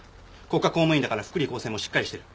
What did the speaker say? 国家公務員だから福利厚生もしっかりしてる。